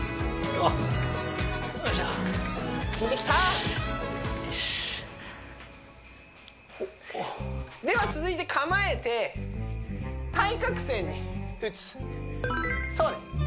あっよいしょきいてきたでは続いて構えて対角線に打つそうです